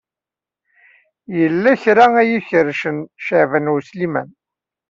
Yella kra ay ikerrcen Caɛban U Sliman.